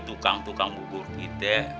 tukang tukang bubur kita